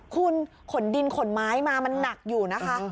คุณขนดินขนไม้มามันหนักอยู่นะคะ